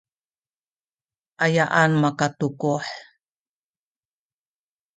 ayaan makatukuh?